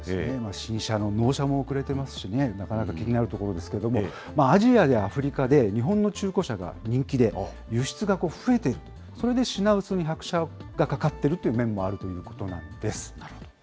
新車の納車も遅れてますしね、なかなか気になるところですけれども、アジアやアフリカで、日本の中古車が人気で、輸出が増えている、それで品薄に拍車がかかってるという面もあるということなんです。